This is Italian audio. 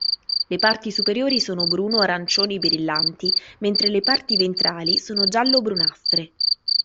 Le parti superiori sono bruno-arancioni brillanti, mentre le parti ventrali sono giallo-brunastre.